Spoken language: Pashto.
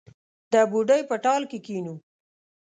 د بوډۍ په ټال کې کښېنو